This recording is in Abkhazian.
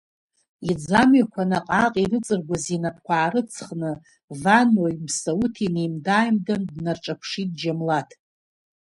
Иӡамҩақәа наҟ-ааҟ ирыҵыргәаз инапқәа аарыҵхны, Ванои Мсауҭи инеимда-ааимданы днарҿаԥшит Џьамлаҭ.